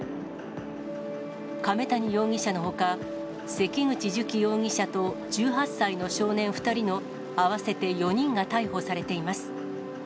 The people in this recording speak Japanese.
亀谷容疑者のほか、関口寿喜容疑者と１８歳の少年２人の合わせて４人が逮捕されています。